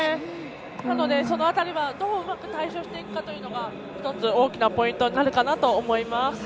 なので、その辺りはどううまく対処していくのか１つ大きなポイントになるかなと思います。